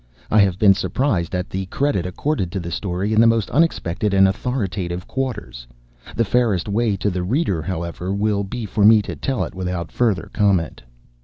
I have been surprised at the credit accorded to the story in the most unexpected and authoritative quarters. The fairest way to the reader, however, will be for me to tell it without further comment.